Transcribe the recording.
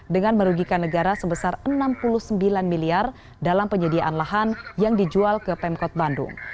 dengan merugikan negara sebesar rp enam puluh sembilan miliar dalam penyediaan lahan yang dijual ke pemkot bandung